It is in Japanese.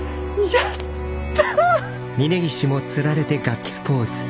やった！